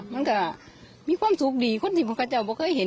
มันก็มีความสุขดีคนสิ่งของข้าเจ้าไม่เคยเห็น